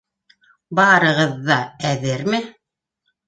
—Барығыҙ ҙа әҙерме?